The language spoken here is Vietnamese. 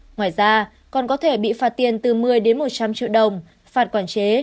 ngoài ra còn có thể bị phạt tiền từ một mươi đến một trăm linh triệu đồng phạt quản chế